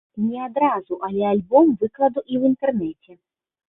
Не адразу, але альбом выкладу і ў інтэрнэце.